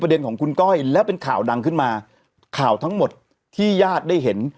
เด็นของคุณก้อยแล้วเป็นข่าวดังขึ้นมาข่าวทั้งหมดที่ญาติได้เห็น